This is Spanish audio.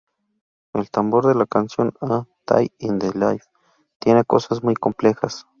El tambor de la canción "A Day in the Life" tiene cosas muy complejas.